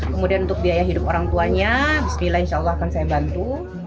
kemudian untuk biaya hidup orang tuanya bismillah insya allah akan saya bantu